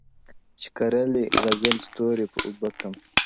o چي کرلي غزل ستوری په ا وبه کم,